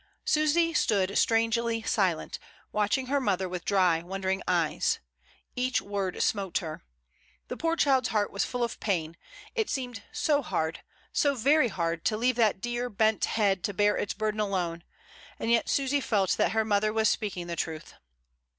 Susy stood strangely silent, watching her mother with dry, wondering eyes. Each word smote her. The poor child's heart was full of pain; it seemed so hard, so very hard, to leave that dear, bent head to bear its burden alone, and yet Susy felt that her mother was speaking the truth.